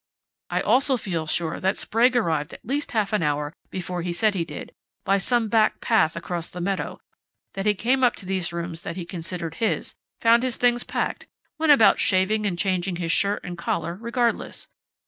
I also feel sure that Sprague arrived at least half an hour before he said he did, by some back path across the meadow; that he came up to these rooms that he considered his, found his things packed, but went about shaving and changing his shirt and collar, regardless.